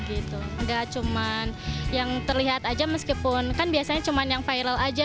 nggak cuma yang terlihat aja meskipun kan biasanya cuma yang viral aja